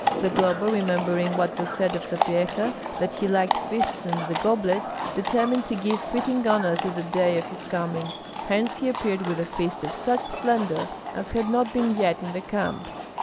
Zagloba, remembering what was said of Sapyeha, that he liked feasts and the goblet, determined to give fitting honor to the day of his coming; hence he appeared with a feast of such splendor as had not been yet in the camp.